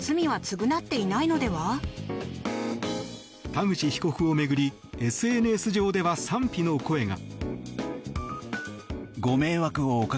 田口被告を巡りＳＮＳ上では賛否の声が。